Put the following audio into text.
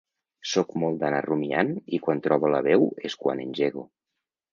Sóc molt d’anar rumiant i quan trobo la veu és quan engego.